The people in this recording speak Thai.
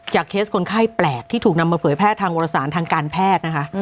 เคสคนไข้แปลกที่ถูกนำมาเผยแพร่ทางวรสารทางการแพทย์นะคะ